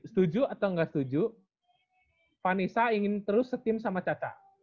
setuju atau nggak setuju vanessa ingin terus setim sama caca